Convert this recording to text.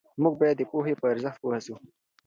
موږ باید د پوهې په ارزښت پوه سو.